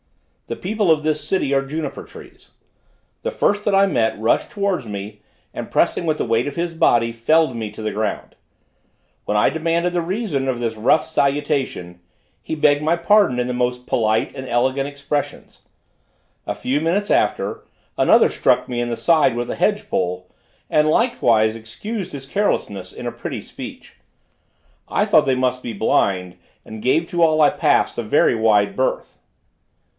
The people of this city are juniper trees. The first that I met rushed towards me, and pressing with the weight of his body, felled me to the ground. When I demanded the reason of this rough salutation, he begged my pardon in the most polite and elegant expressions. A few minutes after, another struck me in the side with a hedge pole, and likewise excused his carelessness in a pretty speech. I thought they must be blind, and gave to all I passed a very wide berth.